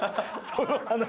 その話？